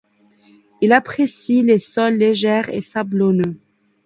Il apprécie les sols légers et sablonneux.